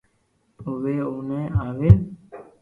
او وي او ني آوين